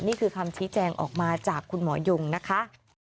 นี่คือคำชี้แจงออกมาจากคุณหมอยงนะคะ